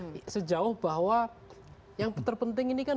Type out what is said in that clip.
kita bisa terbincang dengan